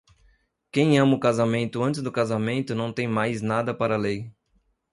Quem ama o casamento antes do casamento não tem mais nada para a lei.